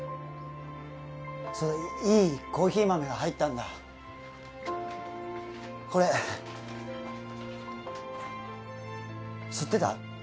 そうだいいコーヒー豆が入ったんだこれ知ってた？